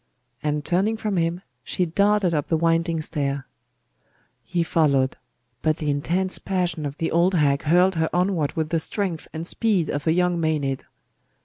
And turning from him, she darted up the winding stair. He followed: but the intense passion of the old hag hurled her onward with the strength and speed of a young Maenad.